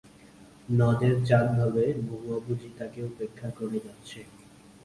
নদের চাঁদ ভাবে মহুয়া বুঝি তাকে উপেক্ষা করে যাচ্ছে।